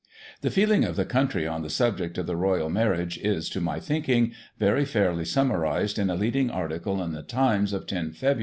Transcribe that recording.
The feeling of the country on the subject of the Royal Marriage is, to my thinking, very fairly summarised in a leading article in the Times of 10 Feb.